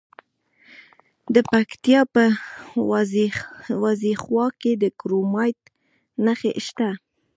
د پکتیکا په وازیخوا کې د کرومایټ نښې شته.